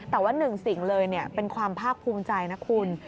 แต่ว่าหนึ่งสิ่งเลยเป็นความภาคภูมิใจนะคุณ